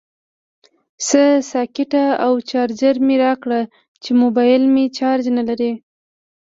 سه ساکټه او چارجر مې راکړئ چې موبایل مې چارج نلري